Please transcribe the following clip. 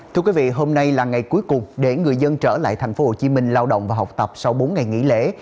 thưa quý vị hôm nay là ngày cuối cùng để người dân trở lại tp hcm lao động và học tập sau bốn ngày nghỉ lễ